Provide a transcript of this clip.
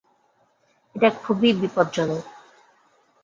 এটা খুবই বিপদজনক।